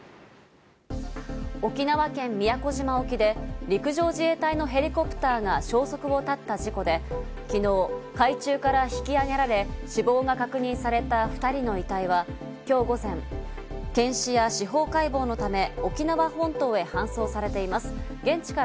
沖縄県宮古島沖で陸上自衛隊のヘリコプターが消息を絶った事故で、昨日、海中から引き揚げられ、死亡が確認された２人の遺体は今日午前、検視や司法解剖のため沖縄本島へ搬送されています。